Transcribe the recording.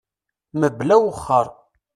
Mebla awexxer.